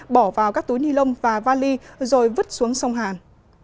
bỏ vào các túi nilon và vali rồi vứt xuống sông hàn